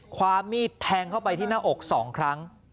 ความมีดแทงเข้าไปที่หน้าอก๒ครั้ง